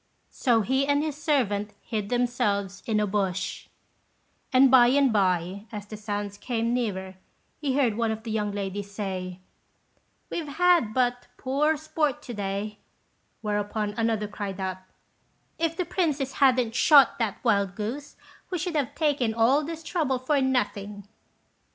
So he and his servant hid themselves in a bush; and by and by, as the sounds came nearer, he heard one of the young ladies say, "We've had but poor sport to day;" whereupon another cried out, "If the princess hadn't shot that wild goose, we should have taken all this trouble for nothing."